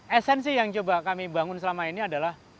esensi yang coba kami bangun selama ini adalah